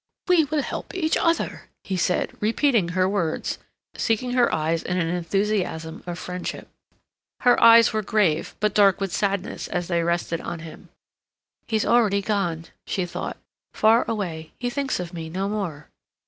"We will help each other," he said, repeating her words, seeking her eyes in an enthusiasm of friendship. Her eyes were grave but dark with sadness as they rested on him. "He's already gone," she thought, "far away—he thinks of me no more."